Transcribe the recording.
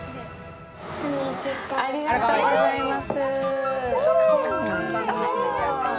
ありがとうございます。